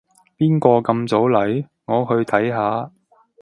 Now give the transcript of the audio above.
邊個咁早嚟？我去睇下